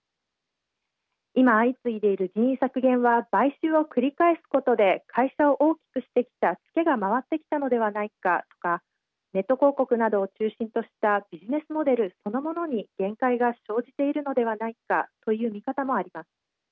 今、相次いでいる人員削減は買収を繰り返すことで会社を大きくしてきた付けが回ってきたのではないかとかネット広告などを中心としたビジネスモデルそのものに限界が生じているのではないかという見方もあります。